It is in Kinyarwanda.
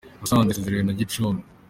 Musanze yasezerewe na gicumbi